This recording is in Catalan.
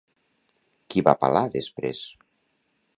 Qui va palar després?